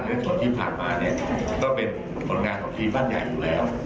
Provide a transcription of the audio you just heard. ในส่วนที่ผ่านมาเนี่ยก็เป็นผลงานของทีมบ้านใหญ่อยู่แล้ว